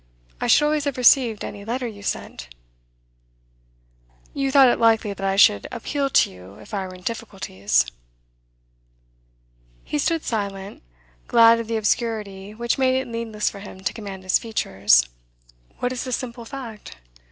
I should always have received any letter you sent.' 'You thought it likely that I should appeal to you if I were in difficulties.' He stood silent, glad of the obscurity which made it needless for him to command his features. At length: 'What is the simple fact?